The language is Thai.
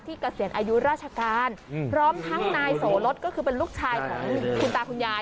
เกษียณอายุราชการพร้อมทั้งนายโสรสก็คือเป็นลูกชายของคุณตาคุณยาย